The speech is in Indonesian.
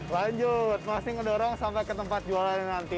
lanjut masih mendorong sampai ke tempat jualannya nanti